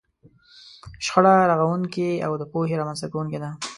شخړه رغونکې او د پوهې رامنځته کوونکې ده.